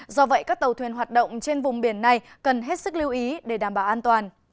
do vậy các tàu thuyền hoạt động trên vùng biển này cần hết sức lưu ý để đảm bảo an toàn